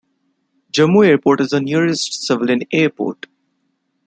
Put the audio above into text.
Jammu airport is the nearest civilian airport.